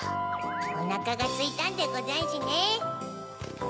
おなかがすいたんでござんしゅね。